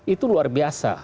itu luar biasa